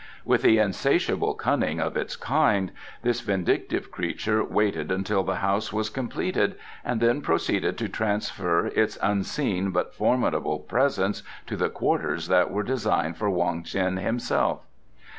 With the insatiable cunning of its kind, this vindictive creature waited until the house was completed and then proceeded to transfer its unseen but formidable presence to the quarters that were designed for Wong Ts'in himself.